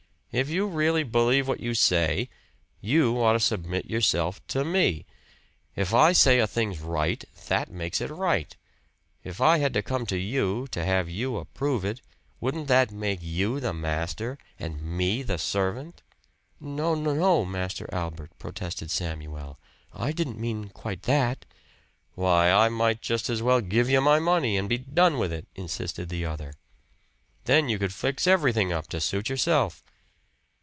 "If you really believe what you say, you ought to submit yourself to me. If I say a thing's right, that makes it right. If I had to come to you to have you approve it, wouldn't that make you the master and me the servant?" "No, no Master Albert!" protested Samuel. "I didn't mean quite that!" "Why, I might just as well give you my money and be done with it," insisted the other. "Then you could fix everything up to suit yourself."